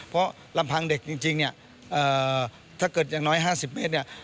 เพราะลำพังเด็กจริงเนี่ยถ้าเกิดอย่างน้อย๕๐เมตรเนี่ย